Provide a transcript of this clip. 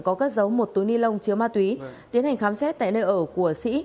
có cất giấu một túi ni lông chứa ma túy tiến hành khám xét tại nơi ở của sĩ